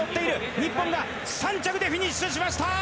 日本が３着でフィニッシュしました！